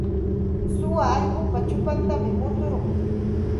Suwa allqupa chupantam muturqun.